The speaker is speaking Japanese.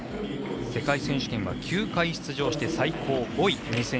世界選手権は９回出場して最高５位。